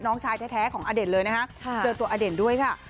น้องชายแท้ของอเด่นเลยนะคะเจอตัวอเด่นด้วยค่ะ